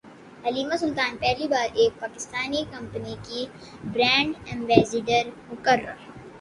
حلیمہ سلطان پہلی بار ایک پاکستانی کمپنی کی برانڈ ایمبیسڈر مقرر